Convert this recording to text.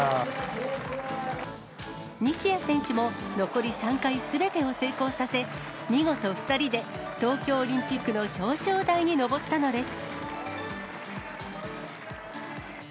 西矢選手も、残り３回すべてを成功させ、見事２人で東京オリンピックの表彰台に上ったのです。